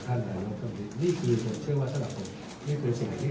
ที่ให้ความไว้วันใจ